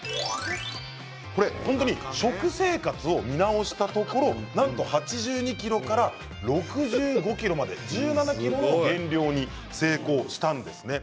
本当に食生活を見直したところなんと８２ｋｇから６５ｋｇまで１７ｋｇの減量に成功したんです。